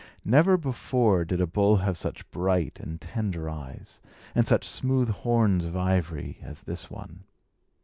Never before did a bull have such bright and tender eyes, and such smooth horns of ivory, as this one.